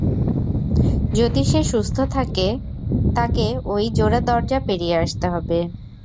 যদি সে সুস্থ থাকে, তাকে ওই জোড়া দরজা পেরিয়ে আসতে হবে।